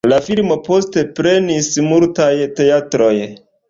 La filmo poste prenis multaj teatroj.